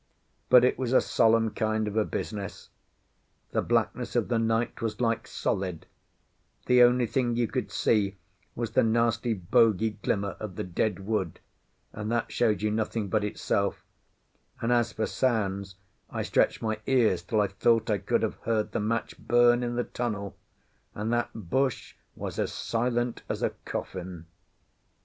But it was a solemn kind of a business. The blackness of the night was like solid; the only thing you could see was the nasty bogy glimmer of the dead wood, and that showed you nothing but itself; and as for sounds, I stretched my ears till I thought I could have heard the match burn in the tunnel, and that bush was as silent as a coffin.